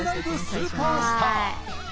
スーパースター！！」。